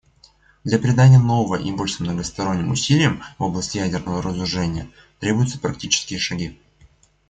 Для придания нового импульса многосторонним усилиям в области ядерного разоружения требуются практические шаги.